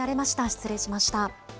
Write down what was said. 失礼しました。